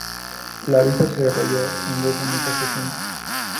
La vista se desarrolló en dos únicas sesiones.